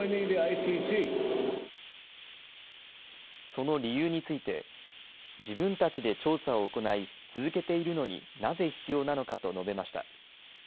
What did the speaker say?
その理由について自分たちで調査を行い続けているのになぜ必要なのかと述べました。